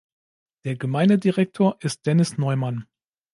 Der Gemeindedirektor ist Dennis Neumann.